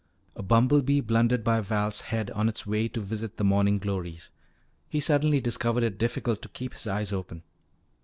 A bumblebee blundered by Val's head on its way to visit the morning glories. He suddenly discovered it difficult to keep his eyes open.